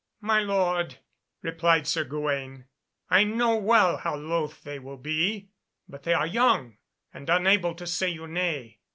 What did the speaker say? "My lord," replied Sir Gawaine, "I know well how loth they will be, but they are young and unable to say you nay."